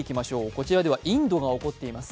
こちらではインドが怒っています。